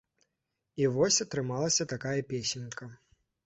І вось атрымалася такая песенька.